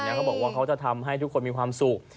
เขาบอกว่าเขาจะทำให้ทุกคนมีความสุข